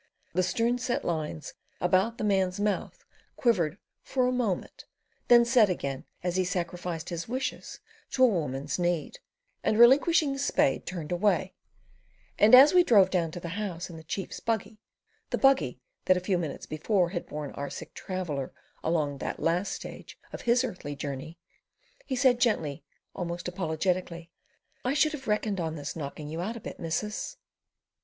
The stern set lines about the man's mouth quivered for a moment, then set again as he sacrificed his wishes to a woman's need, and relinquishing the spade, turned away; and as we drove down to the house in the chief's buggy—the buggy that a few minutes before had borne our sick traveller along that last stage of his earthly journey—he said gently, almost apologetically: "I should have reckoned on this knocking you out a bit, missus."